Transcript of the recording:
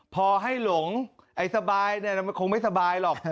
พอให้หลงไอ้สบายมันคงไม่สบายหรอก